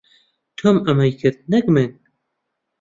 تۆم ئەمەی کرد، نەک من.